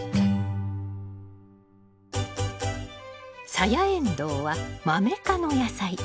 サヤエンドウはマメ科の野菜。